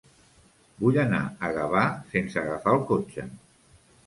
Vull anar a Gavà sense agafar el cotxe.